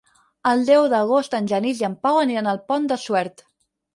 El deu d'agost en Genís i en Pau aniran al Pont de Suert.